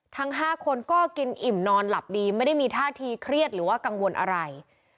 ทั้ง๕คนก็กินอิ่มนอนหลับดีไม่ได้มีท่าทีเครียดหรือว่ากังวลอะไร